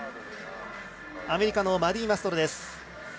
アメリカのマディー・マストロ。